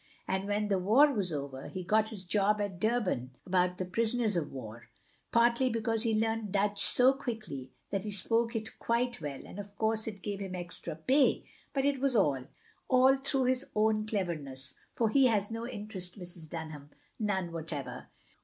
And when the war was over, he got this job at Durban about the prisoners of war — partly because he learnt Dutch so quickly that he spoke it quite well, and of cotirse it gave him extra pay; but it was all, all through his own cleverness, for he has no interest, Mrs. Dunham, none whatever."